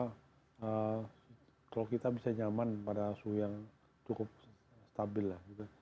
karena kalau kita bisa nyaman pada suhu yang cukup stabil lah